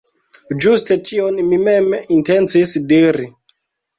Ĝuste tion mi mem intencis diri.